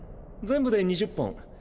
全部で２０本。